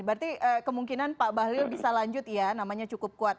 berarti kemungkinan pak bahlil bisa lanjut ya namanya cukup kuat